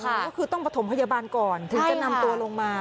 ก็คือต้องประถมพยาบาลก่อนถึงจะนำตัวลงมา